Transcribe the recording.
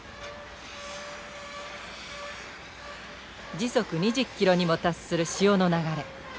時速２０ｋｍにも達する潮の流れ。